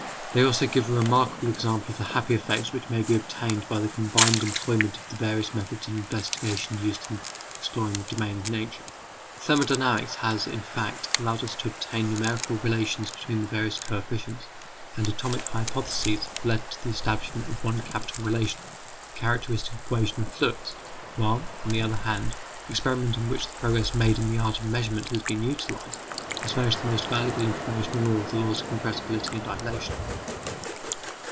They also give a remarkable example of the happy effects which may be obtained by the combined employment of the various methods of investigation used in exploring the domain of nature. Thermodynamics has, in fact, allowed us to obtain numerical relations between the various coefficients, and atomic hypotheses have led to the establishment of one capital relation, the characteristic equation of fluids; while, on the other hand, experiment in which the progress made in the art of measurement has been utilized, has furnished the most valuable information on all the laws of compressibility and dilatation.